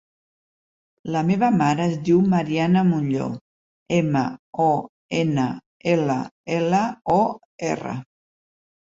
La meva mare es diu Mariana Monllor: ema, o, ena, ela, ela, o, erra.